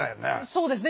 そうですね。